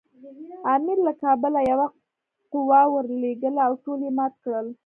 امیر له کابله یوه قوه ورولېږله او ټول یې مات کړل.